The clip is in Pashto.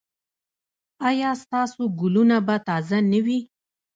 ایا ستاسو ګلونه به تازه نه وي؟